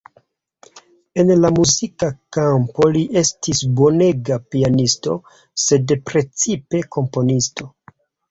En la muzika kampo li estis bonega pianisto, sed precipe komponisto.